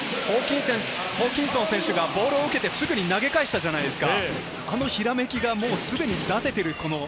ホーキンソン選手がボールを受けて、すぐに投げ返したじゃないですか。